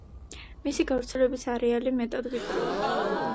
მისი გავრცელების არეალი მეტად ვიწროა.